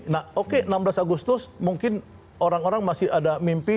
nah oke enam belas agustus mungkin orang orang masih ada mimpi